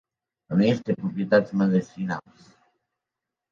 A més té propietats medicinals.